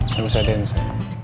saya bisa dance ya